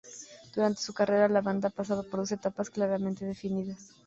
Durante su carrera, la banda ha pasado por dos etapas claramente definidas.